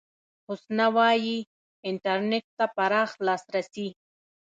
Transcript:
حسنه وايي، انټرنېټ ته پراخ لاسرسي